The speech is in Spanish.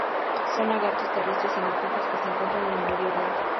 Son lagartos terrestres y nocturnos que se encuentran en el Medio Oriente.